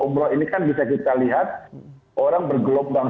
umroh ini kan bisa kita lihat orang bergelombang